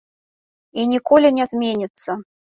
І ніколі не зменіцца.